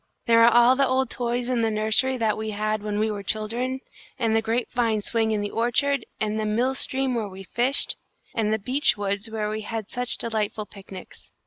There are all the old toys in the nursery that we had when we were children, and the grape vine swing in the orchard, and the mill stream where we fished, and the beech woods where we had such delightful picnics.